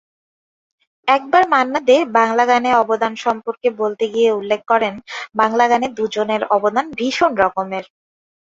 একবার মান্না দে বাংলা গানে অবদান সম্পর্কে বলতে গিয়ে উল্লেখ করেন, বাংলা গানে দুজনের অবদান ভীষণ রকমের।